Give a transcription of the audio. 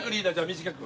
短く。